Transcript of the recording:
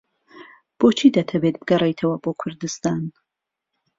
بۆچی دەتەوێت بگەڕێیتەوە بۆ کوردستان؟